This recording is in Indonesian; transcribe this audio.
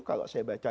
kalau saya baca